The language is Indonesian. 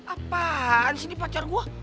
apaan sih ini pacar gue